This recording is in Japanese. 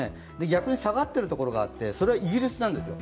逆に下がっているところがあって、それはイギリスなんですよ。